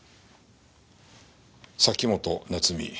崎本菜津美。